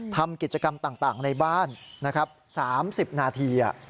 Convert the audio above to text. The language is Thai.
ทำกิจกรรมต่างในบ้าน๓๐นาที